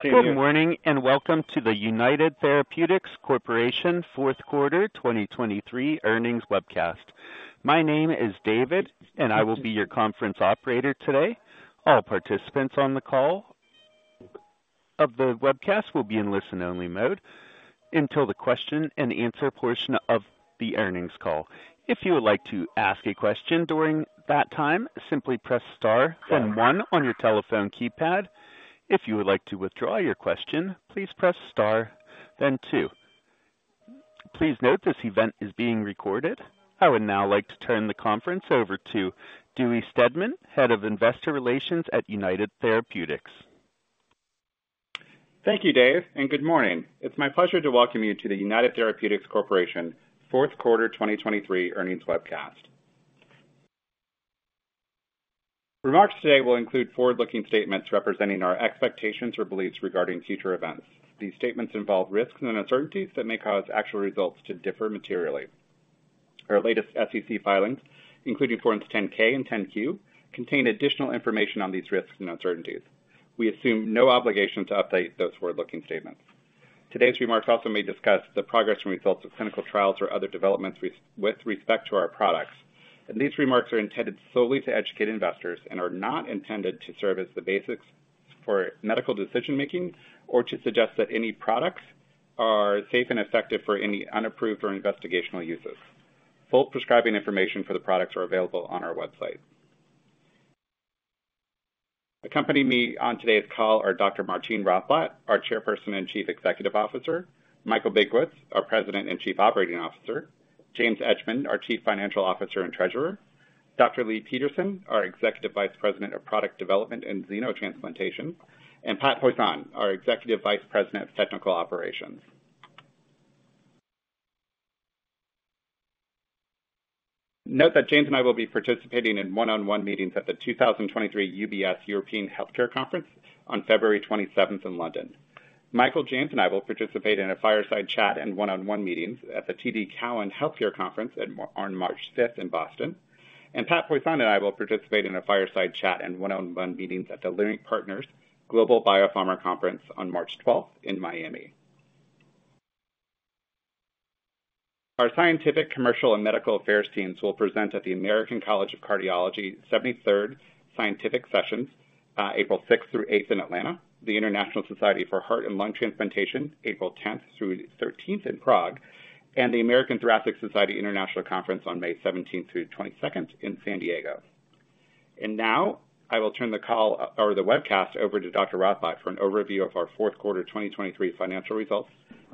Good morning and welcome to the United Therapeutics Corporation fourth quarter 2023 earnings webcast. My name is David and I will be your conference operator today. All participants on the call or the webcast will be in listen-only mode until the question and answer portion of the earnings call. If you would like to ask a question during that time, simply press star then one on your telephone keypad. If you would like to withdraw your question, please press star then two. Please note this event is being recorded. I would now like to turn the conference over to Dewey Steadman, Head of Investor Relations at United Therapeutics. Thank you, Dave, and good morning. It's my pleasure to welcome you to the United Therapeutics Corporation fourth quarter 2023 earnings webcast. Remarks today will include forward-looking statements representing our expectations or beliefs regarding future events. These statements involve risks and uncertainties that may cause actual results to differ materially. Our latest SEC filings, including forms 10-K and 10-Q, contain additional information on these risks and uncertainties. We assume no obligation to update those forward-looking statements. Today's remarks also may discuss the progress and results of clinical trials or other developments with respect to our products. These remarks are intended solely to educate investors and are not intended to serve as the basis for medical decision-making or to suggest that any products are safe and effective for any unapproved or investigational uses. Full prescribing information for the products are available on our website. Accompanying me on today's call are Dr. Martine Rothblatt, our chairperson and chief executive officer; Michael Benkowitz, our president and chief operating officer; James Edgemond, our chief financial officer and treasurer; Dr. Leigh Peterson, our executive vice president of product development and xenotransplantation; and Pat Poisson, our executive vice president of technical operations. Note that James and I will be participating in one-on-one meetings at the 2023 UBS European Healthcare Conference on February 27th in London. Michael, James, and I will participate in a fireside chat and one-on-one meetings at the TD Cowen Healthcare Conference on March 5th in Boston. Pat Poisson and I will participate in a fireside chat and one-on-one meetings at the Leerink Partners Global Biopharma Conference on March 12th in Miami. Our scientific, commercial, and medical affairs teams will present at the American College of Cardiology 73rd Scientific Sessions, April 6th through 8th in Atlanta, the International Society for Heart and Lung Transplantation, April 10th through 13th in Prague, and the American Thoracic Society International Conference on May 17th through 22nd in San Diego. Now I will turn the call or the webcast over to Dr. Rothblatt for an overview of our fourth quarter 2023 financial results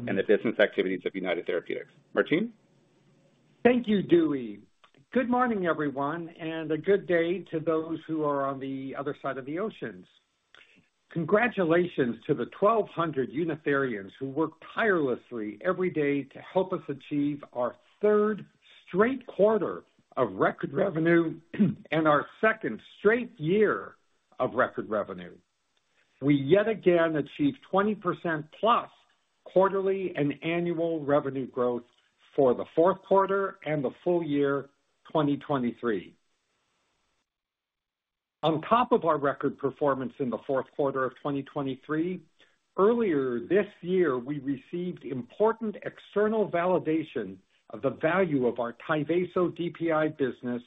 and the business activities of United Therapeutics. Martine? Thank you, Dewey. Good morning, everyone, and a good day to those who are on the other side of the oceans. Congratulations to the 1,200 Unitherians who work tirelessly every day to help us achieve our third straight quarter of record revenue and our second straight year of record revenue. We yet again achieved 20% plus quarterly and annual revenue growth for the fourth quarter and the full year 2023. On top of our record performance in the fourth quarter of 2023, earlier this year we received important external validation of the value of our Tyvaso DPI business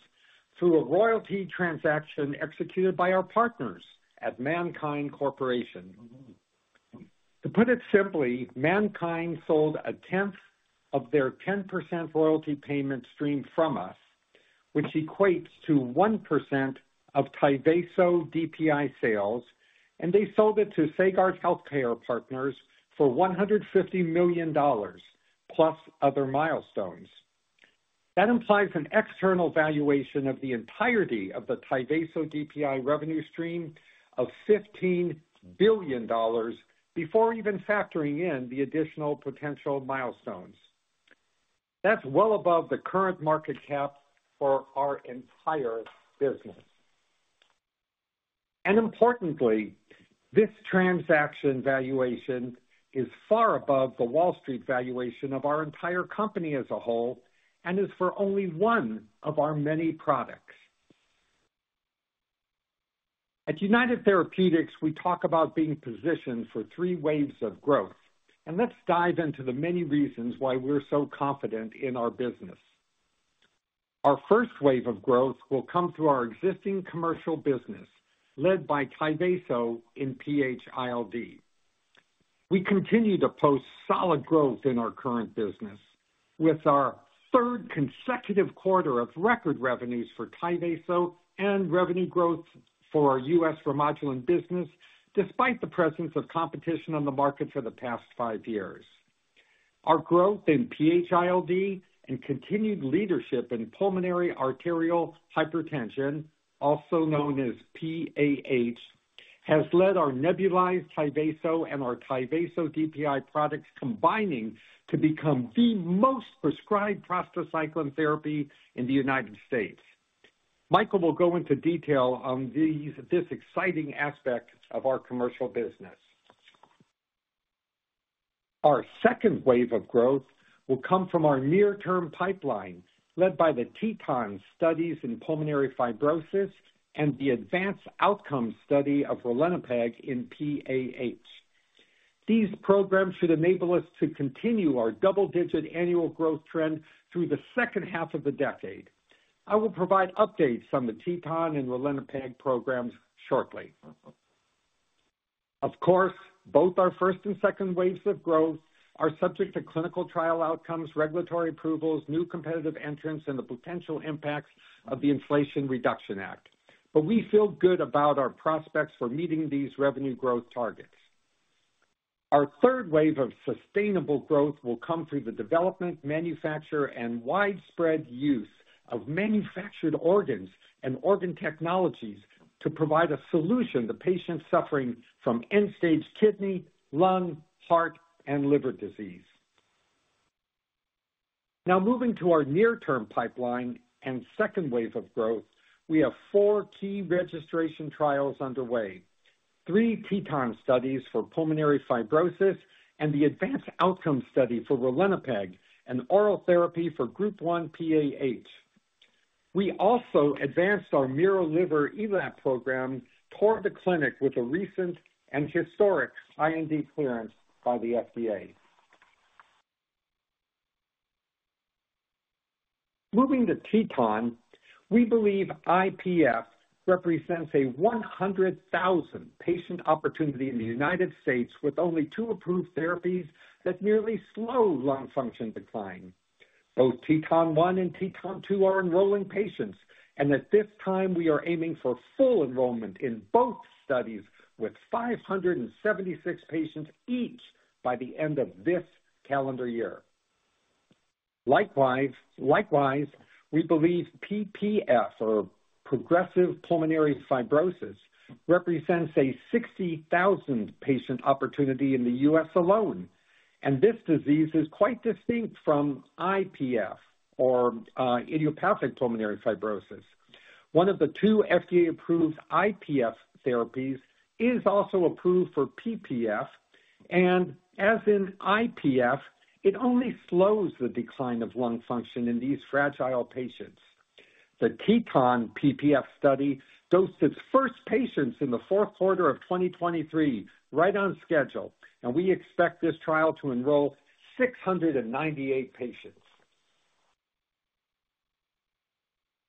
through a royalty transaction executed by our partners at MannKind Corporation. To put it simply, MannKind sold a tenth of their 10% royalty payment stream from us, which equates to 1% of Tyvaso DPI sales, and they sold it to Sagard Healthcare Partners for $150 million plus other milestones. That implies an external valuation of the entirety of the Tyvaso DPI revenue stream of $15 billion before even factoring in the additional potential milestones. That's well above the current market cap for our entire business. And importantly, this transaction valuation is far above the Wall Street valuation of our entire company as a whole and is for only one of our many products. At United Therapeutics, we talk about being positioned for three waves of growth, and let's dive into the many reasons why we're so confident in our business. Our first wave of growth will come through our existing commercial business led by Tyvaso in PH-ILD. We continue to post solid growth in our current business with our third consecutive quarter of record revenues for Tyvaso and revenue growth for our U.S. Remodulin business despite the presence of competition on the market for the past five years. Our growth in PH-ILD and continued leadership in pulmonary arterial hypertension, also known as PAH, has led our nebulized Tyvaso and our Tyvaso DPI products combining to become the most prescribed prostacyclin therapy in the United States. Michael will go into detail on this exciting aspect of our commercial business. Our second wave of growth will come from our near-term pipeline led by the TETON studies in pulmonary fibrosis and the ADVANCE OUTCOMES study of ralinepag in PAH. These programs should enable us to continue our double-digit annual growth trend through the second half of the decade. I will provide updates on the TETON and ralinepag programs shortly. Of course, both our first and second waves of growth are subject to clinical trial outcomes, regulatory approvals, new competitive entrants, and the potential impacts of the Inflation Reduction Act. But we feel good about our prospects for meeting these revenue growth targets. Our third wave of sustainable growth will come through the development, manufacture, and widespread use of manufactured organs and organ technologies to provide a solution to patients suffering from end-stage kidney, lung, heart, and liver disease. Now moving to our near-term pipeline and second wave of growth, we have four key registration trials underway: three TETON studies for pulmonary fibrosis and the ADVANCE OUTCOMES study for ralinepag, an oral therapy for Group 1 PAH. We also advanced our miroliverELAP program toward the clinic with a recent and historic IND clearance by the FDA. Moving to TETON, we believe IPF represents a 100,000 patient opportunity in the United States with only two approved therapies that nearly slow lung function decline. Both TETON 1 and TETON 2 are enrolling patients, and at this time we are aiming for full enrollment in both studies with 576 patients each by the end of this calendar year. Likewise, we believe PPF, or progressive pulmonary fibrosis, represents a 60,000 patient opportunity in the U.S. alone. This disease is quite distinct from IPF, or idiopathic pulmonary fibrosis. One of the two FDA-approved IPF therapies is also approved for PPF, and as in IPF, it only slows the decline of lung function in these fragile patients. The TETON PPF study dosed its first patients in the fourth quarter of 2023 right on schedule, and we expect this trial to enroll 698 patients.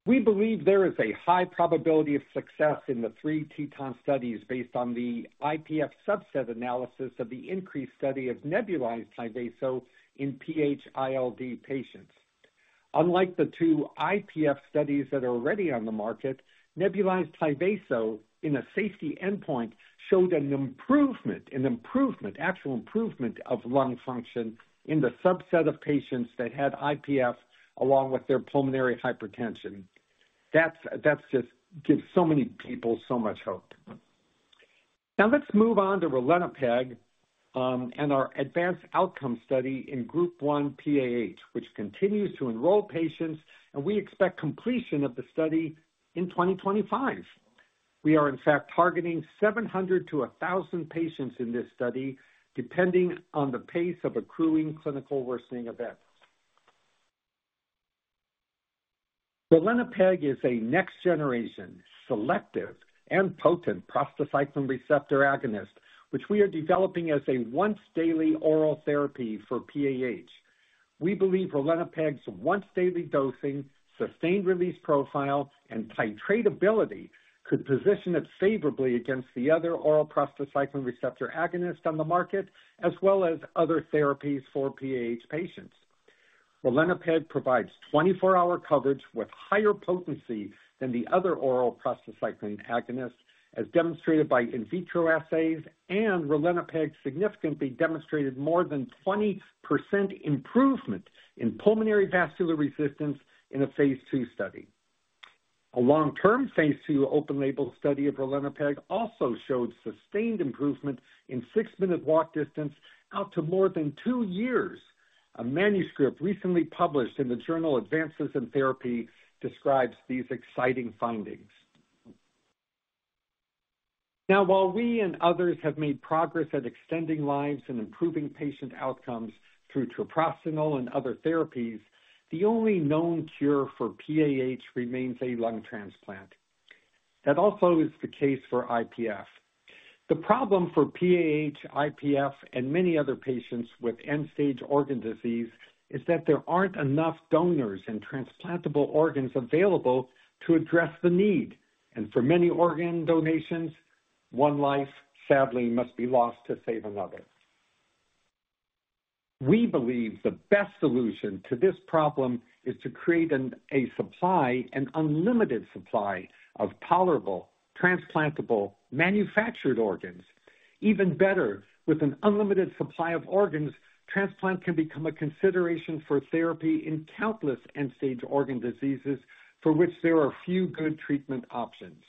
We believe there is a high probability of success in the three TETON studies based on the IPF subset analysis of the INCREASE study of nebulized Tyvaso in PH-ILD patients. Unlike the two IPF studies that are already on the market, nebulized Tyvaso in a safety endpoint showed an improvement, an improvement, actual improvement, of lung function in the subset of patients that had IPF along with their pulmonary hypertension. That just gives so many people so much hope. Now let's move on to ralinepag and our ADVANCE OUTCOMES study in group one PAH, which continues to enroll patients, and we expect completion of the study in 2025. We are, in fact, targeting 700-1,000 patients in this study depending on the pace of accruing clinical worsening events. Ralinepag is a next-generation, selective, and potent prostacyclin receptor agonist, which we are developing as a once-daily oral therapy for PAH. We believe ralinepag's once-daily dosing, sustained-release profile, and titrability could position it favorably against the other oral prostacyclin receptor agonist on the market as well as other therapies for PAH patients. Ralinepag provides 24-hour coverage with higher potency than the other oral prostacyclin agonist, as demonstrated by in vitro assays, and ralinepag significantly demonstrated more than 20% improvement in pulmonary vascular resistance in a phase II study. A long-term phase II open-label study of ralinepag also showed sustained improvement in six-minute walk distance out to more than two years. A manuscript recently published in the journal Advances in Therapy describes these exciting findings. Now, while we and others have made progress at extending lives and improving patient outcomes through treprostinil and other therapies, the only known cure for PAH remains a lung transplant. That also is the case for IPF. The problem for PAH, IPF, and many other patients with end-stage organ disease is that there aren't enough donors and transplantable organs available to address the need. For many organ donations, one life, sadly, must be lost to save another. We believe the best solution to this problem is to create a supply, an unlimited supply, of reliable, transplantable, manufactured organs. Even better, with an unlimited supply of organs, transplant can become a consideration for therapy in countless end-stage organ diseases for which there are few good treatment options.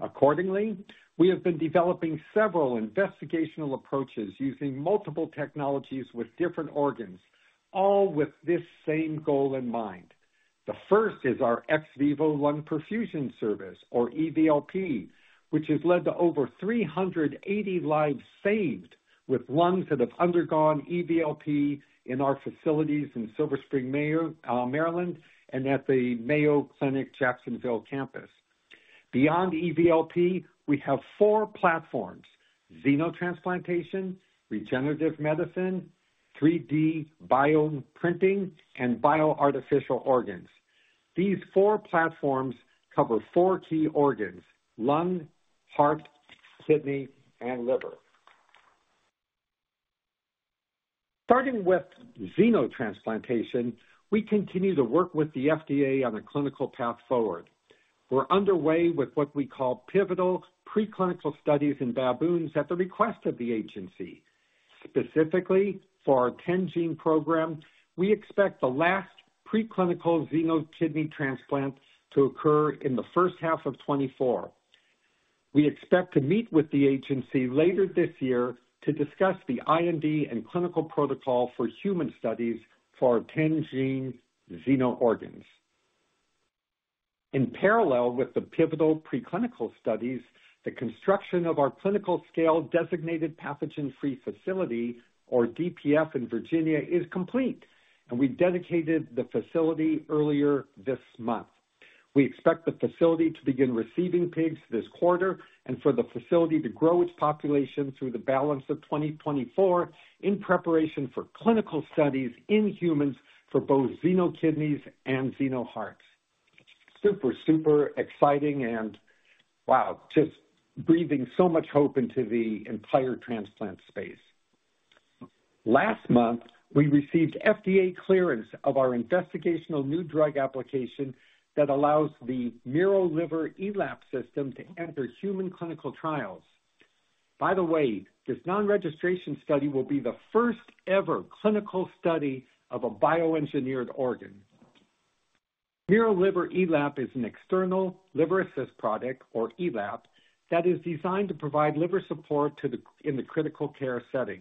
Accordingly, we have been developing several investigational approaches using multiple technologies with different organs, all with this same goal in mind. The first is our ex vivo lung perfusion service, or EVLP, which has led to over 380 lives saved with lungs that have undergone EVLP in our facilities in Silver Spring, Maryland, and at the Mayo Clinic Jacksonville campus. Beyond EVLP, we have four platforms: xenotransplantation, regenerative medicine, 3D bioprinting, and bioartificial organs. These four platforms cover four key organs: lung, heart, kidney, and liver. Starting with xenotransplantation, we continue to work with the FDA on a clinical path forward. We're underway with what we call pivotal preclinical studies in baboons at the request of the agency. Specifically, for our 10-gene program, we expect the last preclinical xenokidney transplant to occur in the first half of 2024. We expect to meet with the agency later this year to discuss the IND and clinical protocol for human studies for 10-gene xeno organs. In parallel with the pivotal preclinical studies, the construction of our clinical-scale designated pathogen-free facility, or DPF, in Virginia is complete, and we dedicated the facility earlier this month. We expect the facility to begin receiving pigs this quarter and for the facility to grow its population through the balance of 2024 in preparation for clinical studies in humans for both xenokidneys and xenohearts. Super, super exciting and, wow, just breathing so much hope into the entire transplant space. Last month, we received FDA clearance of our investigational new drug application that allows the miroliverELAP system to enter human clinical trials. By the way, this non-registration study will be the first-ever clinical study of a bioengineered organ. miroliverELAP is an external liver assist product, or ELAP, that is designed to provide liver support in the critical care setting.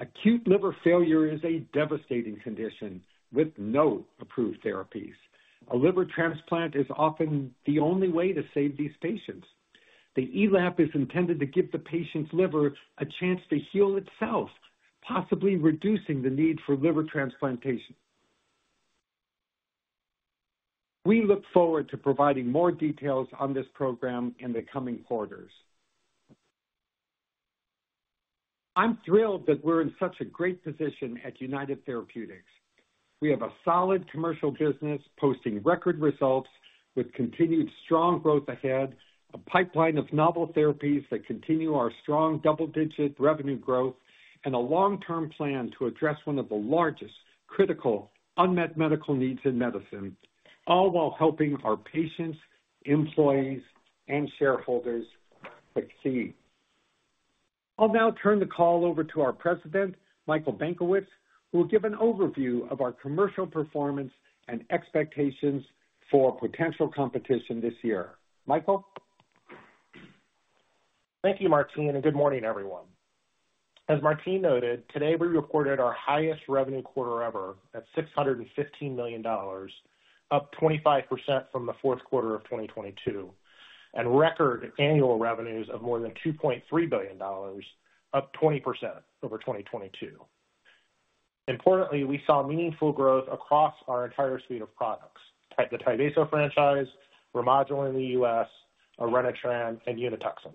Acute liver failure is a devastating condition with no approved therapies. A liver transplant is often the only way to save these patients. The ELAP is intended to give the patient's liver a chance to heal itself, possibly reducing the need for liver transplantation. We look forward to providing more details on this program in the coming quarters. I'm thrilled that we're in such a great position at United Therapeutics. We have a solid commercial business posting record results with continued strong growth ahead, a pipeline of novel therapies that continue our strong double-digit revenue growth, and a long-term plan to address one of the largest critical unmet medical needs in medicine, all while helping our patients, employees, and shareholders succeed. I'll now turn the call over to our president, Michael Benkowitz, who will give an overview of our commercial performance and expectations for potential competition this year. Michael? Thank you, Martine, and good morning, everyone. As Martine noted, today we recorded our highest revenue quarter ever at $615 million, up 25% from the fourth quarter of 2022, and record annual revenues of more than $2.3 billion, up 20% over 2022. Importantly, we saw meaningful growth across our entire suite of products: the Tyvaso franchise, Remodulin in the U.S., Orenitram, and Unituxin.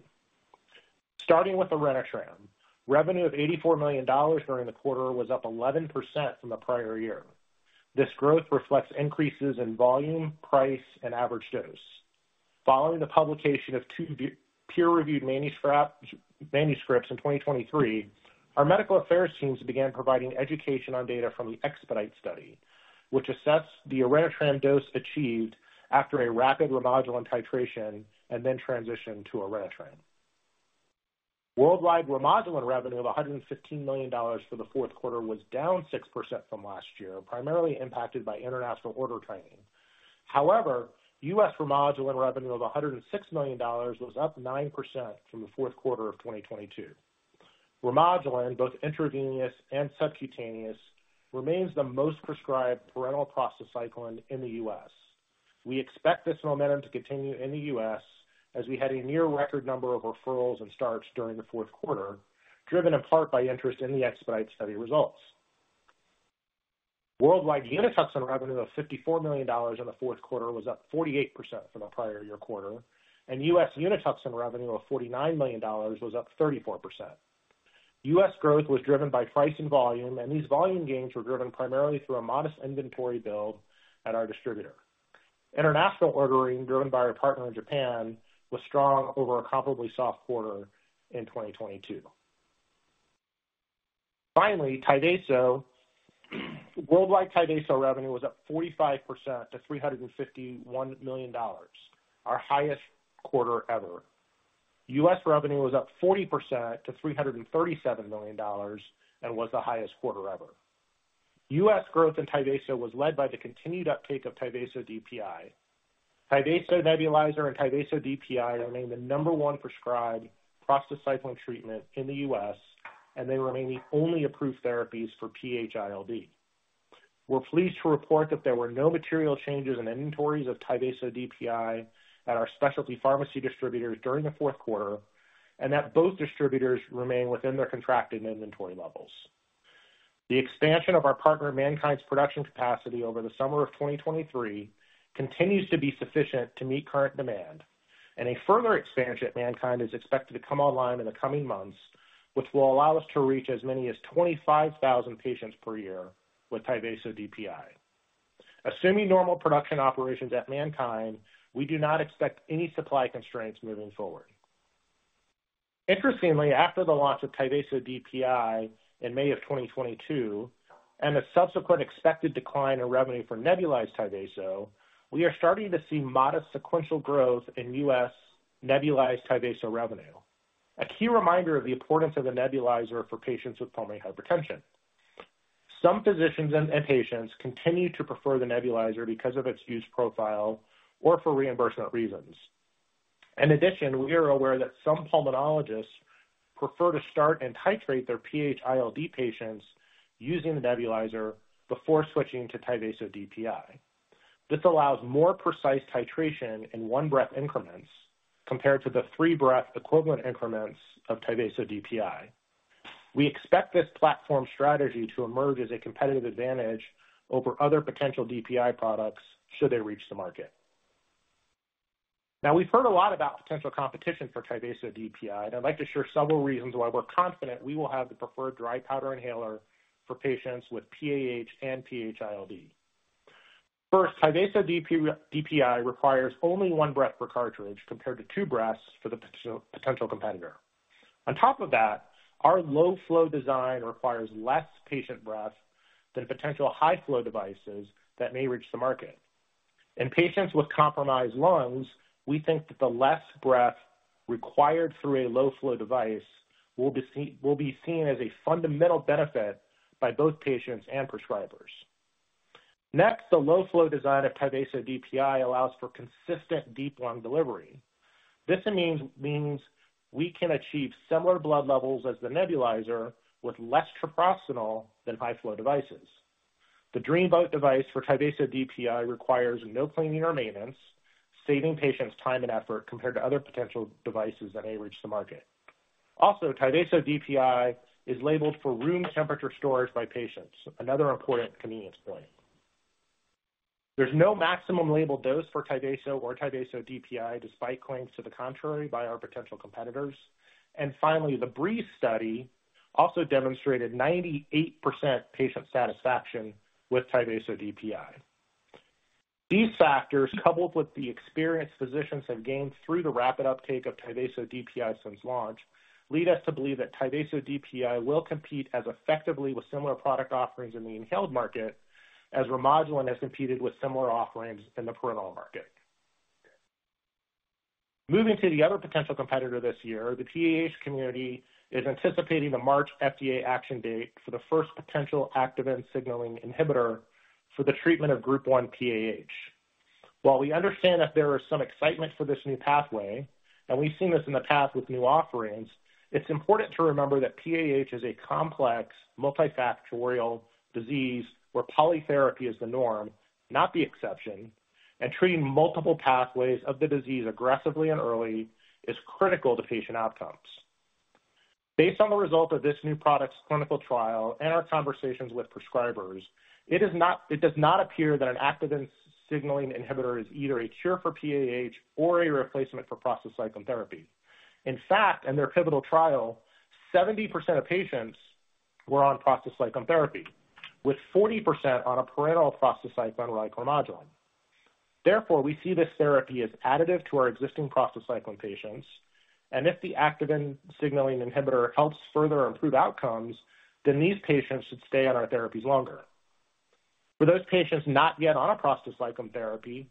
Starting with Orenitram, revenue of $84 million during the quarter was up 11% from the prior year. This growth reflects increases in volume, price, and average dose. Following the publication of two peer-reviewed manuscripts in 2023, our medical affairs teams began providing education on data from the EXPEDITE study, which assessed the Orenitram dose achieved after a rapid Remodulin titration and then transition to Orenitram. Worldwide Remodulin revenue of $115 million for the fourth quarter was down 6% from last year, primarily impacted by international order timing. However, U.S. Remodulin revenue of $106 million was up 9% from the fourth quarter of 2022. Remodulin, both intravenous and subcutaneous, remains the most prescribed parenteral prostacyclin in the US. We expect this momentum to continue in the U.S. as we had a near-record number of referrals and starts during the fourth quarter, driven in part by interest in the EXPEDITE study results. Worldwide Unituxin revenue of $54 million in the fourth quarter was up 48% from the prior year quarter, and U.S. Unituxin revenue of $49 million was up 34%. US growth was driven by price and volume, and these volume gains were driven primarily through a modest inventory build at our distributor. International ordering, driven by our partner in Japan, was strong over a comparably soft quarter in 2022. Finally, Tyvaso, worldwide Tyvaso revenue was up 45% to $351 million, our highest quarter ever. US revenue was up 40% to $337 million and was the highest quarter ever. US growth in Tyvaso was led by the continued uptake of Tyvaso DPI. Tyvaso nebulizer and Tyvaso DPI remain the number one prescribed prostacyclin treatment in the U.S., and they remain the only approved therapies for PH-ILD. We're pleased to report that there were no material changes in inventories of Tyvaso DPI at our specialty pharmacy distributors during the fourth quarter and that both distributors remain within their contracted inventory levels. The expansion of our partner MannKind's production capacity over the summer of 2023 continues to be sufficient to meet current demand, and a further expansion at MannKind is expected to come online in the coming months, which will allow us to reach as many as 25,000 patients per year with Tyvaso DPI. Assuming normal production operations at MannKind, we do not expect any supply constraints moving forward. Interestingly, after the launch of Tyvaso DPI in May of 2022 and the subsequent expected decline in revenue for nebulized Tyvaso, we are starting to see modest sequential growth in U.S. nebulized Tyvaso revenue, a key reminder of the importance of the nebulizer for patients with pulmonary hypertension. Some physicians and patients continue to prefer the nebulizer because of its use profile or for reimbursement reasons. In addition, we are aware that some pulmonologists prefer to start and titrate their PH-ILD patients using the nebulizer before switching to Tyvaso DPI. This allows more precise titration in one-breath increments compared to the three-breath equivalent increments of Tyvaso DPI. We expect this platform strategy to emerge as a competitive advantage over other potential DPI products should they reach the market. Now, we've heard a lot about potential competition for Tyvaso DPI, and I'd like to share several reasons why we're confident we will have the preferred dry powder inhaler for patients with PAH and PH-ILD. First, Tyvaso DPI requires only one breath per cartridge compared to two breaths for the potential competitor. On top of that, our low-flow design requires less patient breath than potential high-flow devices that may reach the market. In patients with compromised lungs, we think that the less breath required through a low-flow device will be seen as a fundamental benefit by both patients and prescribers. Next, the low-flow design of Tyvaso DPI allows for consistent deep lung delivery. This means we can achieve similar blood levels as the nebulizer with less treprostinil than high-flow devices. The Dreamboat device for Tyvaso DPI requires no cleaning or maintenance, saving patients time and effort compared to other potential devices that may reach the market. Also, Tyvaso DPI is labeled for room temperature storage by patients, another important convenience point. There's no maximum labeled dose for Tyvaso or Tyvaso DPI despite claims to the contrary by our potential competitors. And finally, the BREEZE study also demonstrated 98% patient satisfaction with Tyvaso DPI. These factors, coupled with the experience physicians have gained through the rapid uptake of Tyvaso DPI since launch, lead us to believe that Tyvaso DPI will compete as effectively with similar product offerings in the inhaled market as Remodulin has competed with similar offerings in the parenteral market. Moving to the other potential competitor this year, the PAH community is anticipating the March FDA action date for the first potential activin signaling inhibitor for the treatment of Group 1 PAH. While we understand that there is some excitement for this new pathway, and we've seen this in the past with new offerings, it's important to remember that PAH is a complex multifactorial disease where polytherapy is the norm, not the exception, and treating multiple pathways of the disease aggressively and early is critical to patient outcomes. Based on the result of this new product's clinical trial and our conversations with prescribers, it does not appear that an activin signaling inhibitor is either a cure for PAH or a replacement for prostacyclin therapy. In fact, in their pivotal trial, 70% of patients were on prostacyclin therapy, with 40% on a parenteral prostacyclin-like Remodulin. Therefore, we see this therapy as additive to our existing prostacyclin patients, and if the activin signaling inhibitor helps further improve outcomes, then these patients should stay on our therapies longer. For those patients not yet on a prostacyclin therapy,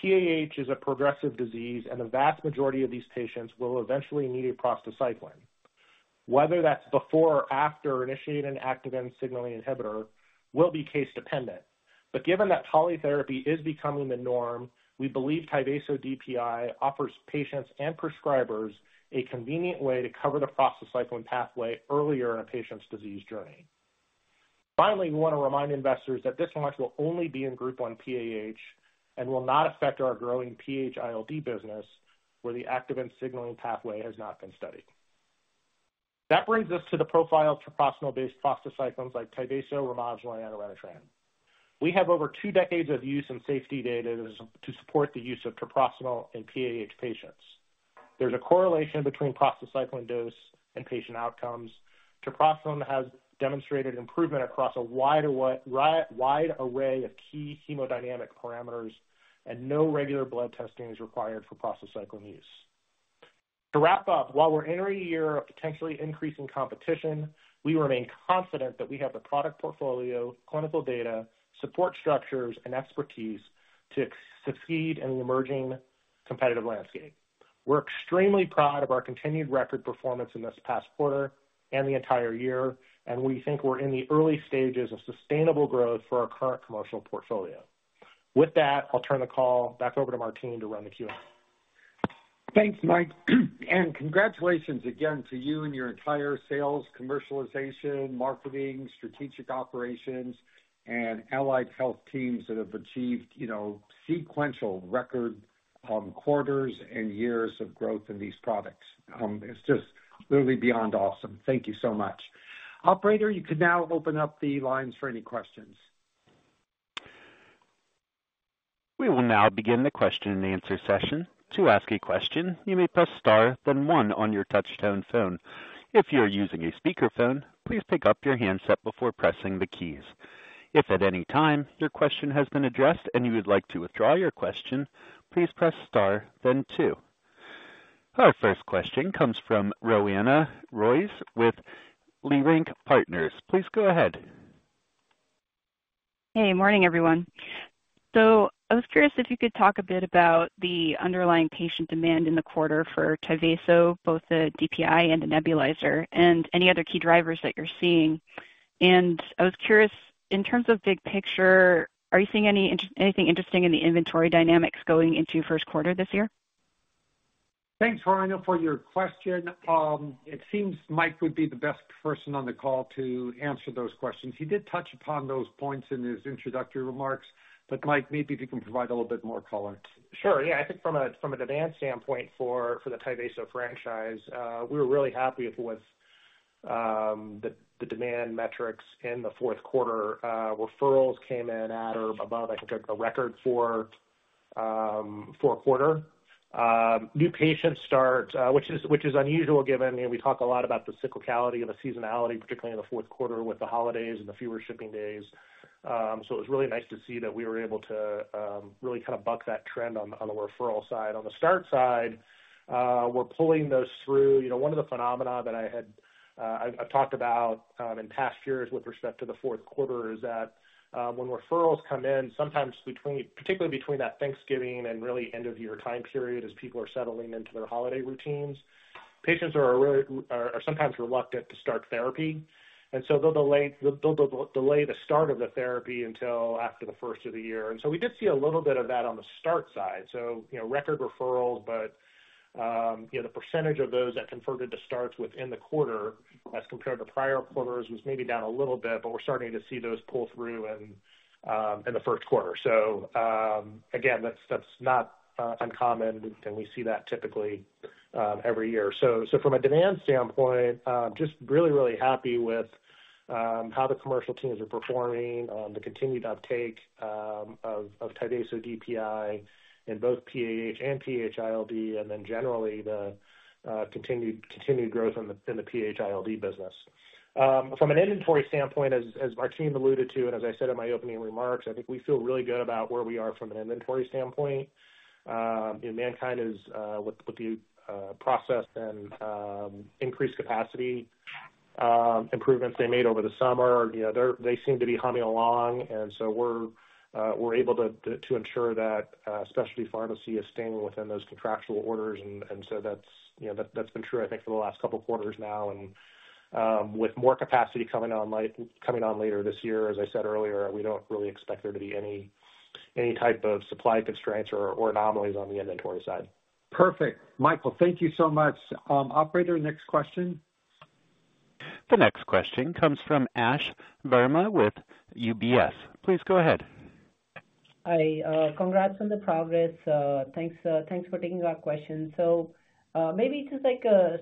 PAH is a progressive disease, and the vast majority of these patients will eventually need a prostacyclin. Whether that's before or after initiating an activin signaling inhibitor will be case-dependent. But given that polytherapy is becoming the norm, we believe Tyvaso DPI offers patients and prescribers a convenient way to cover the prostacyclin pathway earlier in a patient's disease journey. Finally, we want to remind investors that this launch will only be in Group 1 PAH and will not affect our growing PH-ILD business where the activin signaling pathway has not been studied. That brings us to the profile of treprostinil-based prostacyclins like Tyvaso, Remodulin, and Orenitram. We have over two decades of use and safety data to support the use of treprostinil in PAH patients. There's a correlation between prostacyclin dose and patient outcomes. Treprostinil has demonstrated improvement across a wide array of key hemodynamic parameters, and no regular blood testing is required for prostacyclin use. To wrap up, while we're entering a year of potentially increasing competition, we remain confident that we have the product portfolio, clinical data, support structures, and expertise to succeed in the emerging competitive landscape. We're extremely proud of our continued record performance in this past quarter and the entire year, and we think we're in the early stages of sustainable growth for our current commercial portfolio. With that, I'll turn the call back over to Martine to run the Q&A. Thanks, Mike. Congratulations again to you and your entire sales, commercialization, marketing, strategic operations, and allied health teams that have achieved sequential record quarters and years of growth in these products. It's just literally beyond awesome. Thank you so much. Operator, you can now open up the lines for any questions. We will now begin the question and answer session. To ask a question, you may press star, then one, on your touchscreen phone. If you are using a speakerphone, please pick up your handset before pressing the keys. If at any time your question has been addressed and you would like to withdraw your question, please press star, then two. Our first question comes from Roanna Ruiz with Leerink Partners. Please go ahead. Hey, morning, everyone. I was curious if you could talk a bit about the underlying patient demand in the quarter for Tyvaso, both the DPI and the nebulizer, and any other key drivers that you're seeing. And I was curious, in terms of big picture, are you seeing anything interesting in the inventory dynamics going into first quarter this year? Thanks, Roanna, for your question. It seems Mike would be the best person on the call to answer those questions. He did touch upon those points in his introductory remarks, but Mike, maybe if you can provide a little bit more color. Sure. Yeah. I think from a demand standpoint for the Tyvaso franchise, we were really happy with the demand metrics in the fourth quarter. Referrals came in at or above, I think, a record for fourth quarter. New patient starts, which is unusual given we talk a lot about the cyclicality of the seasonality, particularly in the fourth quarter with the holidays and the fewer shipping days. So it was really nice to see that we were able to really kind of buck that trend on the referral side. On the start side, we're pulling those through. One of the phenomena that I've talked about in past years with respect to the fourth quarter is that when referrals come in, sometimes particularly between that Thanksgiving and really end-of-year time period as people are settling into their holiday routines, patients are sometimes reluctant to start therapy. And so we did see a little bit of that on the start side. So record referrals, but the percentage of those that converted to starts within the quarter as compared to prior quarters was maybe down a little bit, but we're starting to see those pull through in the first quarter. So again, that's not uncommon, and we see that typically every year. So from a demand standpoint, just really, really happy with how the commercial teams are performing, the continued uptake of Tyvaso DPI in both PAH and PH-ILD, and then generally the continued growth in the PH-ILD business. From an inventory standpoint, as Martine alluded to and as I said in my opening remarks, I think we feel really good about where we are from an inventory standpoint. MannKind is with the process. And increased capacity improvements they made over the summer, they seem to be humming along. And so we're able to ensure that specialty pharmacy is staying within those contractual orders. And so that's been true, I think, for the last couple of quarters now. And with more capacity coming on later this year, as I said earlier, we don't really expect there to be any type of supply constraints or anomalies on the inventory side. Perfect. Michael, thank you so much. Operator, next question. The next question comes from Ash Verma with UBS. Please go ahead. Hi. Congrats on the progress. Thanks for taking our questions. So maybe just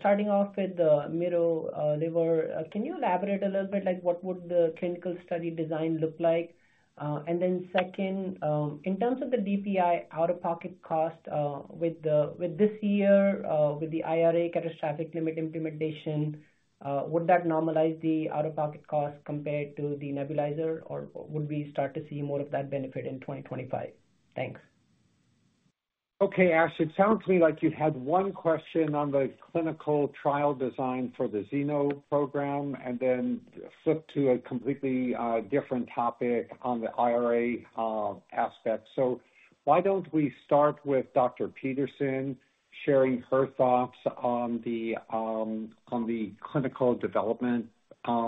starting off with the miroliver, can you elaborate a little bit? What would the clinical study design look like? And then second, in terms of the DPI out-of-pocket cost with this year, with the IRA catastrophic limit implementation, would that normalize the out-of-pocket cost compared to the nebulizer, or would we start to see more of that benefit in 2025? Thanks. Okay, Ash. It sounds to me like you had one question on the clinical trial design for the Xeno program and then flipped to a completely different topic on the IRA aspect. So why don't we start with Dr. Peterson sharing her thoughts on the clinical development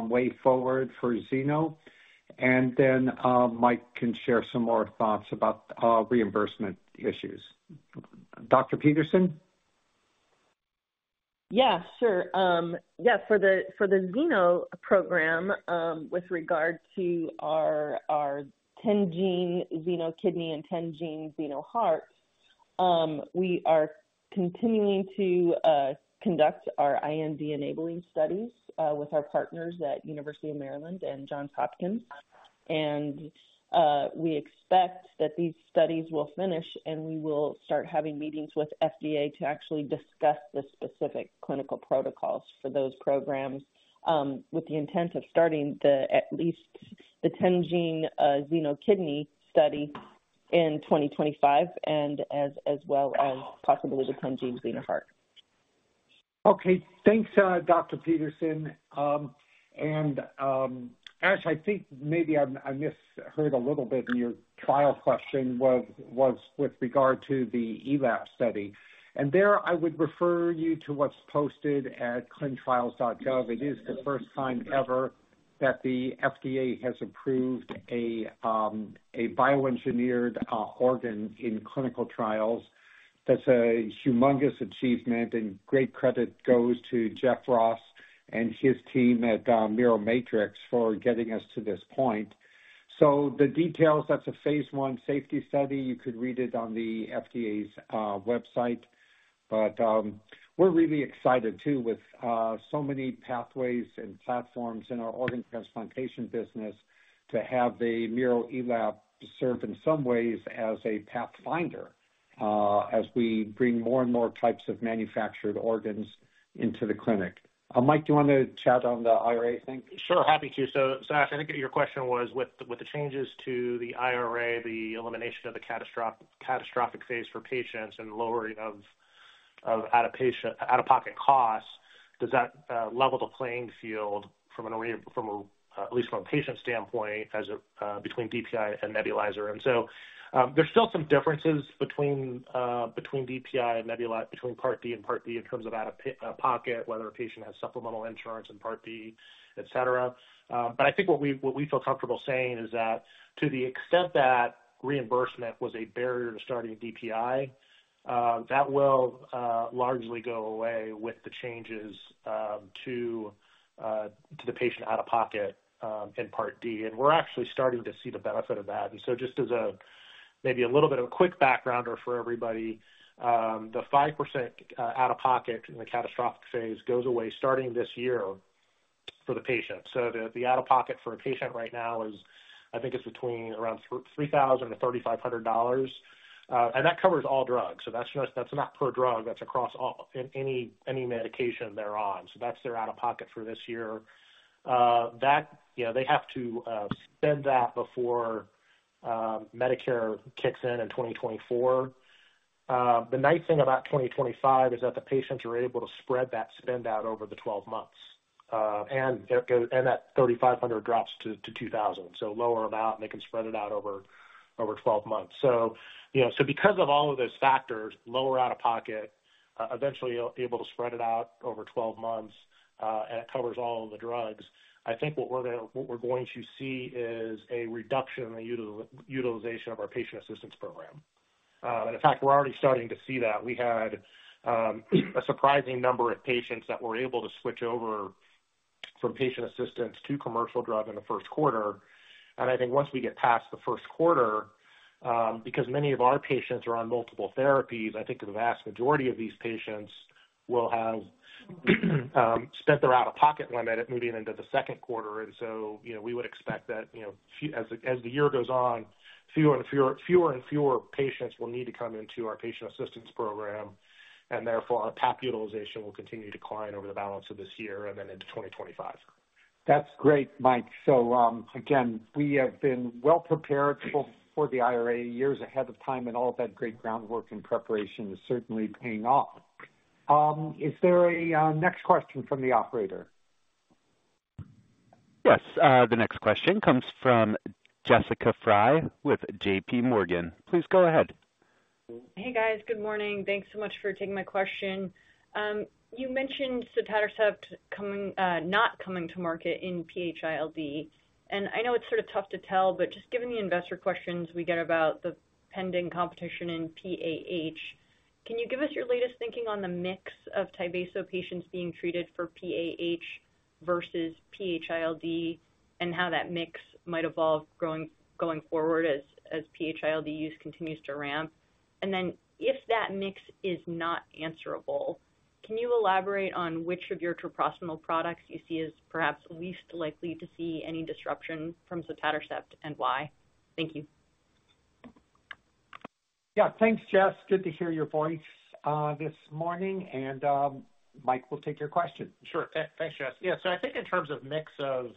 way forward for Xeno, and then Mike can share some more thoughts about reimbursement issues. Dr. Peterson? Yeah, sure. Yes. For the Xeno program, with regard to our 10-gene xenokidney and 10-gene xenoheart, we are continuing to conduct our IND-enabling studies with our partners at University of Maryland and Johns Hopkins. We expect that these studies will finish, and we will start having meetings with FDA to actually discuss the specific clinical protocols for those programs with the intent of starting at least the 10-gene xenokidney study in 2025, as well as possibly the 10-gene xenoheart. Okay. Thanks, Dr. Peterson. And Ash, I think maybe I misheard a little bit in your trial question was with regard to the ELAP study. And there, I would refer you to what's posted at clinicaltrials.gov. It is the first time ever that the FDA has approved a bioengineered organ in clinical trials. That's a humongous achievement, and great credit goes to Jeff Ross and his team at Miromatrix for getting us to this point. So the details, that's a phase one safety study. You could read it on the FDA's website. But we're really excited too, with so many pathways and platforms in our organ transplantation business, to have the miroliverELAP serve in some ways as a pathfinder as we bring more and more types of manufactured organs into the clinic. Mike, do you want to chat on the IRA thing? Sure. Happy to. So Ash, I think your question was, with the changes to the IRA, the elimination of the catastrophic phase for patients and lowering of out-of-pocket costs, does that level the playing field from at least from a patient standpoint between DPI and nebulizer? And so there's still some differences between DPI and Part D and Part B in terms of out-of-pocket, whether a patient has supplemental insurance and Part B, etc. But I think what we feel comfortable saying is that to the extent that reimbursement was a barrier to starting DPI, that will largely go away with the changes to the patient out-of-pocket in Part D. And we're actually starting to see the benefit of that. And so just as maybe a little bit of a quick background for everybody, the 5% out-of-pocket in the catastrophic phase goes away starting this year for the patient. So the out-of-pocket for a patient right now is, I think it's between around $3,000-$3,500. And that covers all drugs. So that's not per drug. That's across any medication they're on. So that's their out-of-pocket for this year. They have to spend that before Medicare kicks in in 2024. The nice thing about 2025 is that the patients are able to spread that spend out over the 12 months, and that $3,500 drops to $2,000. So lower amount, and they can spread it out over 12 months. So because of all of those factors, lower out-of-pocket, eventually able to spread it out over 12 months, and it covers all of the drugs, I think what we're going to see is a reduction in the utilization of our patient assistance program. And in fact, we're already starting to see that. We had a surprising number of patients that were able to switch over from patient assistance to commercial drug in the first quarter. And I think once we get past the first quarter, because many of our patients are on multiple therapies, I think the vast majority of these patients will have spent their out-of-pocket limit at moving into the second quarter. And so we would expect that as the year goes on, fewer and fewer and fewer patients will need to come into our patient assistance program, and therefore our PAP utilization will continue to decline over the balance of this year and then into 2025. That's great, Mike. So again, we have been well prepared for the IRA years ahead of time, and all of that great groundwork and preparation is certainly paying off. Is there a next question from the operator? Yes. The next question comes from Jessica Fye with JPMorgan. Please go ahead. Hey, guys. Good morning. Thanks so much for taking my question. You mentioned sotatercept not coming to market in PH-ILD. And I know it's sort of tough to tell, but just given the investor questions we get about the pending competition in PAH, can you give us your latest thinking on the mix of Tyvaso patients being treated for PAH versus PH-ILD and how that mix might evolve going forward as PH-ILD use continues to ramp? And then if that mix is not answerable, can you elaborate on which of your treprostinil products you see is perhaps least likely to see any disruption from sotatercept and why? Thank you. Yeah. Thanks, Jess. Good to hear your voice this morning. And Mike, we'll take your question. Sure. Thanks, Jess. Yeah. So I think in terms of mix of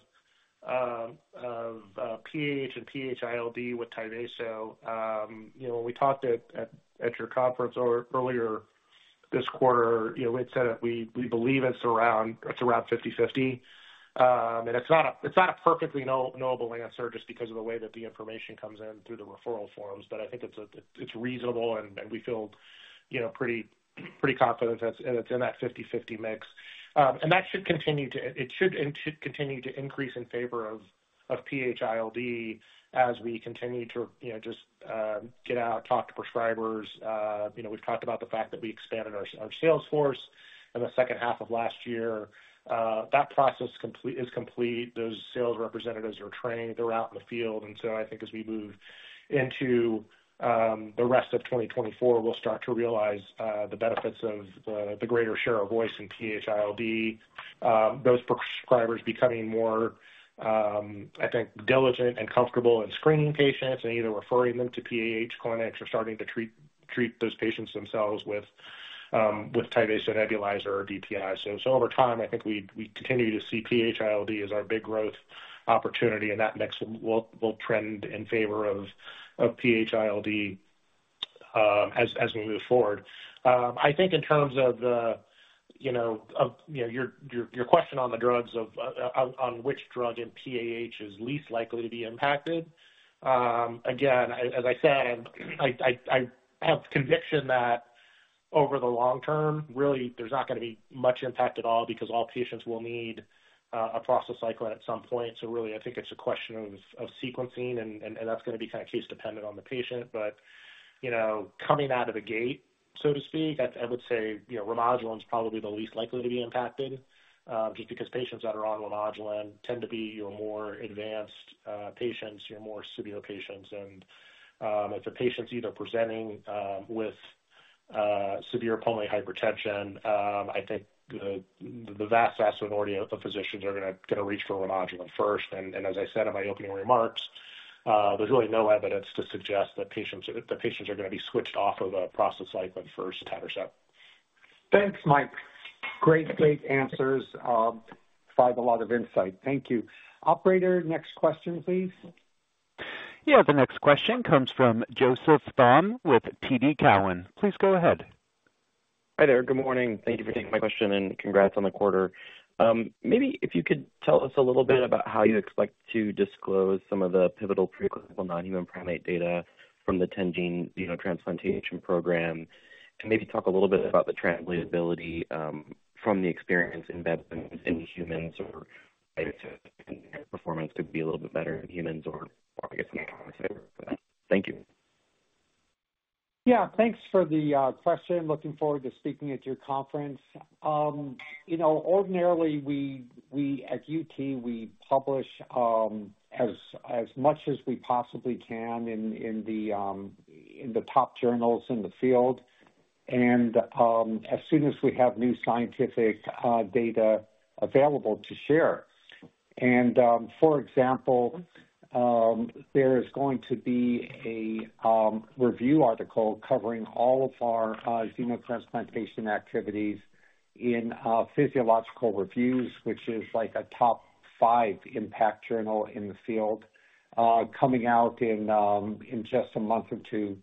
PAH and PH-ILD with Tyvaso, when we talked at your conference earlier this quarter, we had said that we believe it's around 50/50. And it's not a perfectly knowable answer just because of the way that the information comes in through the referral forms. But I think it's reasonable, and we feel pretty confident that it's in that 50/50 mix. And that should continue to increase in favor of PH-ILD as we continue to just get out, talk to prescribers. We've talked about the fact that we expanded our sales force in the second half of last year. That process is complete. Those sales representatives are trained. They're out in the field. And so I think as we move into the rest of 2024, we'll start to realize the benefits of the greater share of voice in PH-ILD, those prescribers becoming more, I think, diligent and comfortable in screening patients and either referring them to PAH clinics or starting to treat those patients themselves with Tyvaso nebulizer or DPI. So over time, I think we continue to see PH-ILD as our big growth opportunity, and that mix will trend in favor of PH-ILD as we move forward. I think in terms of your question on the drugs, on which drug in PAH is least likely to be impacted, again, as I said, I have conviction that over the long term, really, there's not going to be much impact at all because all patients will need a prostacyclin at some point. So really, I think it's a question of sequencing, and that's going to be kind of case-dependent on the patient. But coming out of the gate, so to speak, I would say Remodulin is probably the least likely to be impacted just because patients that are on Remodulin tend to be your more advanced patients, your more severe patients. If a patient's either presenting with severe pulmonary hypertension, I think the vast majority of physicians are going to reach for Remodulin first. And as I said in my opening remarks, there's really no evidence to suggest that patients are going to be switched off of a prostacyclin and first-generation. Thanks, Mike. Great, great answers. Provided a lot of insight. Thank you. Operator, next question, please. Yeah. The next question comes from Joseph Thome with TD Cowen. Please go ahead. Hi there. Good morning. Thank you for taking my question, and congrats on the quarter. Maybe if you could tell us a little bit about how you expect to disclose some of the pivotal preclinical non-human primate data from the 10-gene xenotransplantation program and maybe talk a little bit about the translatability from the experience in NHPs to humans or how performance could be a little bit better in humans or, I guess, in the conversation for that. Thank you. Yeah. Thanks for the question. Looking forward to speaking at your conference. Ordinarily, at UT, we publish as much as we possibly can in the top journals in the field and as soon as we have new scientific data available to share. For example, there is going to be a review article covering all of our xenotransplantation activities in Physiological Reviews, which is a top five impact journal in the field coming out in just a month or two.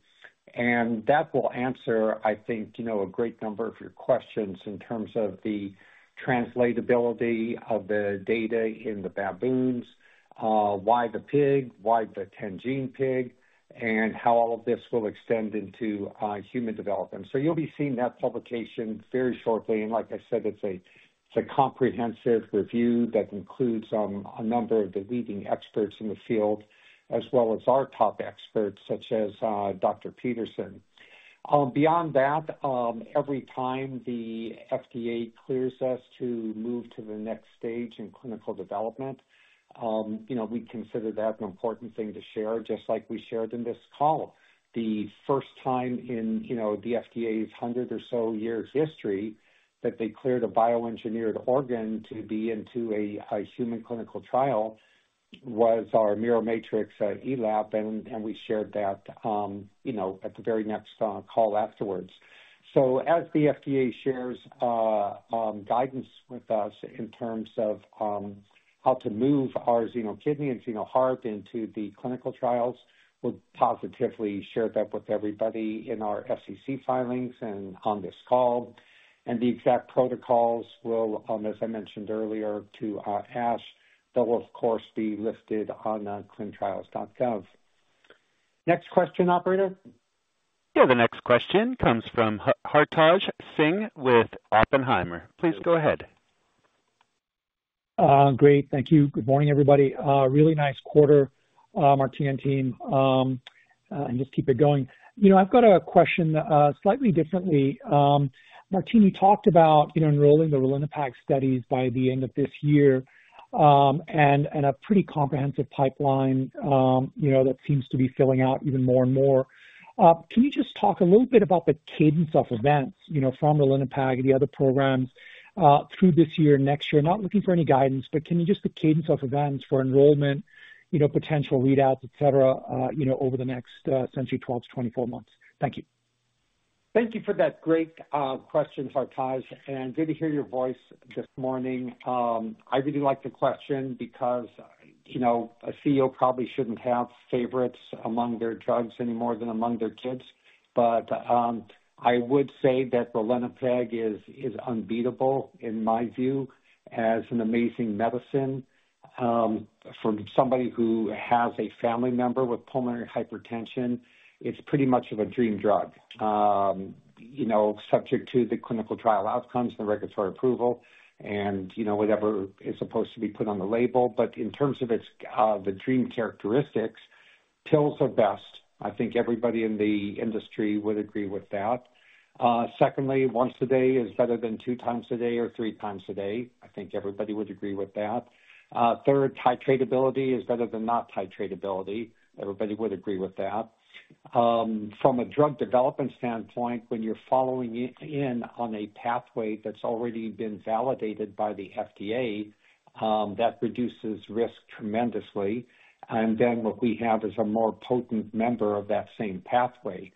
And that will answer, I think, a great number of your questions in terms of the translatability of the data in the baboons, why the pig, why the 10-gene pig, and how all of this will extend into human development. So you'll be seeing that publication very shortly. And like I said, it's a comprehensive review that includes a number of the leading experts in the field as well as our top experts such as Dr. Peterson. Beyond that, every time the FDA clears us to move to the next stage in clinical development, we consider that an important thing to share, just like we shared in this call. The first time in the FDA's 100 or so years' history that they cleared a bioengineered organ to be into a human clinical trial was our Miromatrix ELAP, and we shared that at the very next call afterwards. So as the FDA shares guidance with us in terms of how to move our xenokidney and xenoheart into the clinical trials, we'll positively share that with everybody in our SEC filings and on this call. And the exact protocols will, as I mentioned earlier to Ash, they'll, of course, be listed on clinicaltrials.gov. Next question, operator? Yeah. The next question comes from Hartaj Singh with Oppenheimer. Please go ahead. Great. Thank you. Good morning, everybody. Really nice quarter, Martine and team. And just keep it going. I've got a question slightly differently. Martine, you talked about enrolling the ralinepag studies by the end of this year and a pretty comprehensive pipeline that seems to be filling out even more and more. Can you just talk a little bit about the cadence of events from ralinepag and the other programs through this year, next year? Not looking for any guidance, but can you just the cadence of events for enrollment, potential readouts, etc., over the next century, 12-24 months? Thank you. Thank you for that great question, Hartaj, and good to hear your voice this morning. I really liked the question because a CEO probably shouldn't have favorites among their drugs any more than among their kids. But I would say that ralinepag is unbeatable, in my view, as an amazing medicine. For somebody who has a family member with pulmonary hypertension, it's pretty much of a dream drug, subject to the clinical trial outcomes and the regulatory approval and whatever is supposed to be put on the label. But in terms of the dream characteristics, pills are best. I think everybody in the industry would agree with that. Secondly, once a day is better than two times a day or three times a day. I think everybody would agree with that. Third, titratability is better than not titratability. Everybody would agree with that. From a drug development standpoint, when you're following in on a pathway that's already been validated by the FDA, that reduces risk tremendously. And then what we have is a more potent member of that same pathway.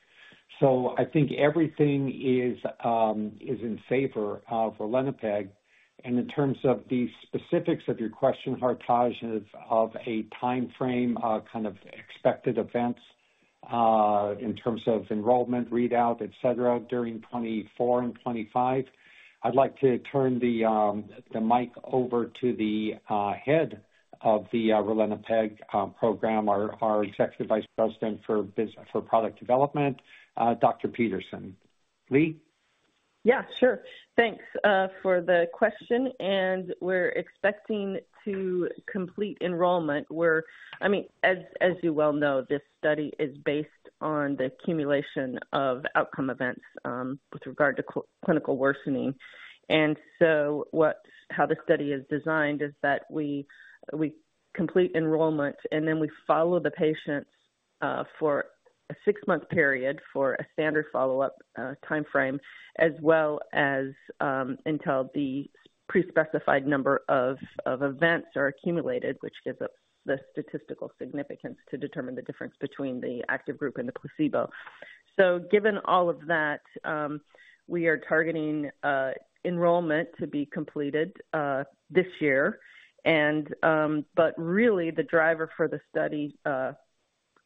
So I think everything is in favor of ralinepag. And in terms of the specifics of your question, Hartaj, of a time frame kind of expected events in terms of enrollment, readout, etc., during 2024 and 2025, I'd like to turn the mic over to the head of the ralinepag program, our Executive Vice President for Product Development, Dr. Peterson. Leigh? Yeah. Sure. Thanks for the question. We're expecting to complete enrollment where, I mean, as you well know, this study is based on the accumulation of outcome events with regard to clinical worsening. So how the study is designed is that we complete enrollment, and then we follow the patients for a six-month period for a standard follow-up time frame as well as until the prespecified number of events are accumulated, which gives us the statistical significance to determine the difference between the active group and the placebo. So given all of that, we are targeting enrollment to be completed this year. But really, the driver for the study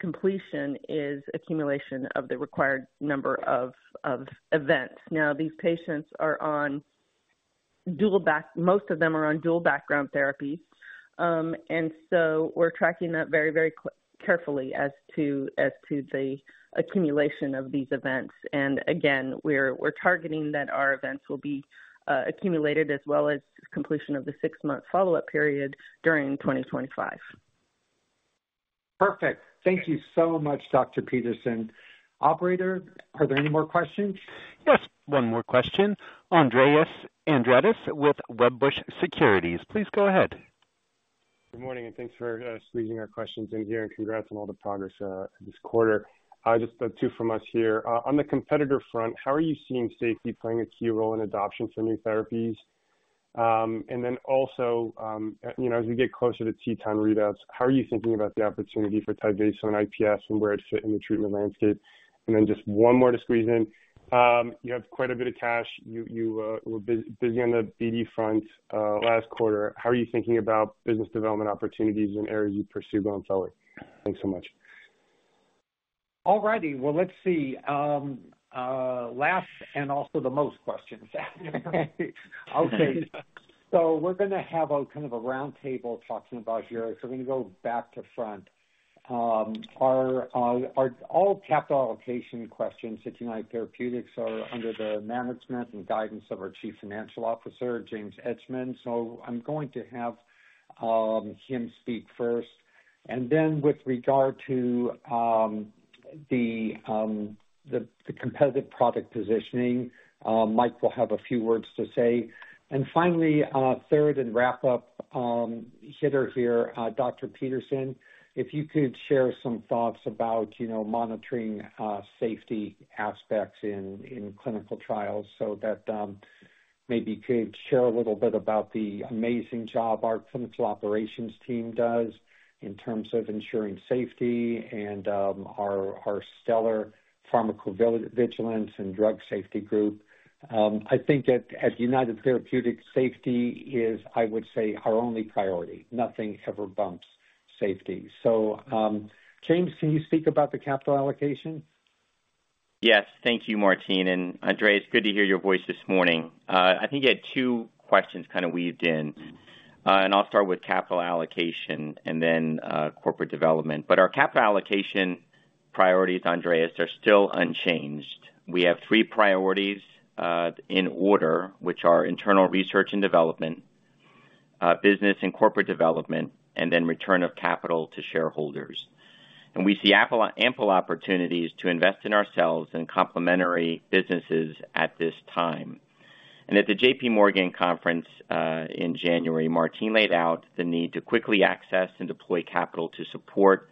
completion is accumulation of the required number of events. Now, these patients are on dual background most of them are on dual background therapies. And so we're tracking that very, very carefully as to the accumulation of these events. And again, we're targeting that our events will be accumulated as well as completion of the six-month follow-up period during 2025. Perfect. Thank you so much, Dr. Peterson. Operator, are there any more questions? Yes. One more question. Andreas Argyrides with Wedbush Securities. Please go ahead. Good morning, and thanks for squeezing our questions in here and congrats on all the progress this quarter. Just two from us here. On the competitor front, how are you seeing safety playing a key role in adoption for new therapies? And then also, as we get closer to TETON readouts, how are you thinking about the opportunity for Tyvaso and IPF and where it fits in the treatment landscape? And then just one more to squeeze in. You have quite a bit of cash. You were busy on the BD front last quarter. How are you thinking about business development opportunities in areas you pursue going forward? Thanks so much. All righty. Well, let's see. Last and also the most questions. Okay. So we're going to have kind of a roundtable talking about, so we're going to go back to front. All capital allocation questions at United Therapeutics are under the management and guidance of our Chief Financial Officer, James Edgemond. So I'm going to have him speak first. And then with regard to the competitive product positioning, Mike will have a few words to say. And finally, third and wrap-up hitter here, Dr. Peterson, if you could share some thoughts about monitoring safety aspects in clinical trials so that maybe you could share a little bit about the amazing job our clinical operations team does in terms of ensuring safety and our stellar pharmacovigilance and drug safety group. I think at United Therapeutics, safety is, I would say, our only priority. Nothing ever bumps safety. So James, can you speak about the capital allocation? Yes. Thank you, Martine. And Andreas, good to hear your voice this morning. I think you had two questions kind of weaved in. And I'll start with capital allocation and then corporate development. But our capital allocation priorities, Andreas, are still unchanged. We have three priorities in order, which are internal research and development, business and corporate development, and then return of capital to shareholders. And we see ample opportunities to invest in ourselves and complementary businesses at this time. And at the JPMorgan conference in January, Martine laid out the need to quickly access and deploy capital to support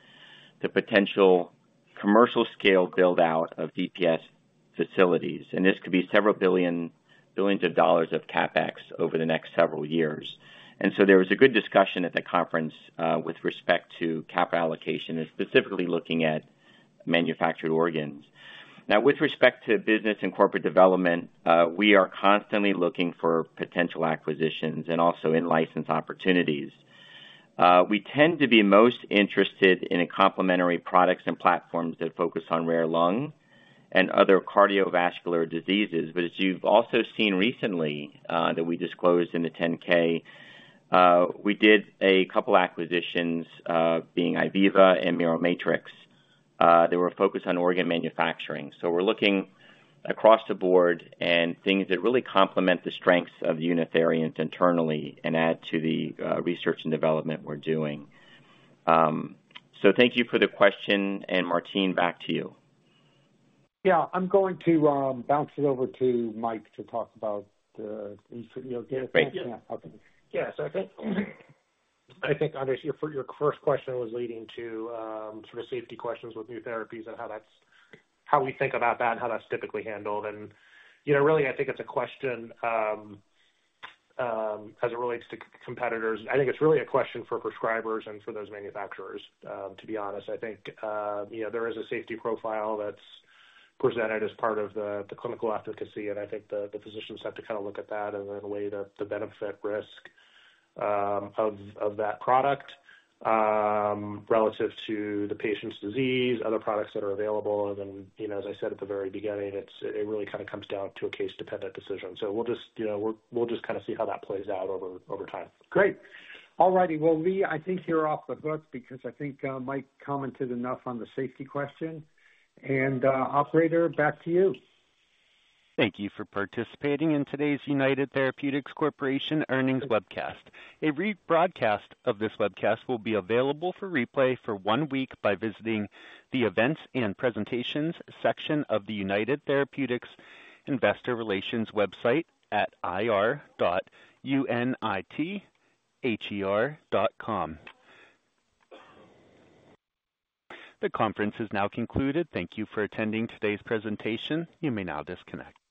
the potential commercial-scale buildout of DPF facilities. And this could be several billion dollars of CapEx over the next several years. So there was a good discussion at the conference with respect to capital allocation and specifically looking at manufactured organs. Now, with respect to business and corporate development, we are constantly looking for potential acquisitions and also in-license opportunities. We tend to be most interested in complementary products and platforms that focus on rare lung and other cardiovascular diseases. But as you've also seen recently that we disclosed in the 10-K, we did a couple of acquisitions, being IVIVA and Miromatrix, that were a focus on organ manufacturing. So we're looking across the board and things that really complement the strengths of United Therapeutics internally and add to the research and development we're doing. So thank you for the question. And Martine, back to you. Yeah. I'm going to bounce it over to Mike to talk about the give us a chance. Yeah. Okay. Yeah. So I think, Andreas, your first question was leading to sort of safety questions with new therapies and how we think about that and how that's typically handled. And really, I think it's a question as it relates to competitors. I think it's really a question for prescribers and for those manufacturers, to be honest. I think there is a safety profile that's presented as part of the clinical efficacy. And I think the physicians have to kind of look at that and then weigh the benefit-risk of that product relative to the patient's disease, other products that are available. And then, as I said at the very beginning, it really kind of comes down to a case-dependent decision. So we'll just kind of see how that plays out over time. Great. All righty. Well, Leigh, I think you're off the hook because I think Mike commented enough on the safety question. And operator, back to you. Thank you for participating in today's United Therapeutics Corporation earnings webcast. A rebroadcast of this webcast will be available for replay for one week by visiting the Events and Presentations section of the United Therapeutics Investor Relations website at ir.unither.com. The conference is now concluded. Thank you for attending today's presentation. You may now disconnect.